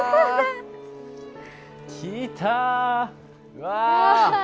うわ！